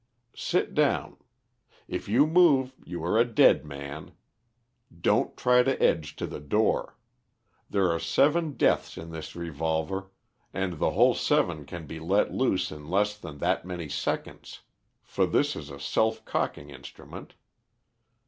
Sit down. If you move you are a dead man. Don't try to edge to the door. There are seven deaths in this revolver and the whole seven can be let loose in less than that many seconds, for this is a self cocking instrument.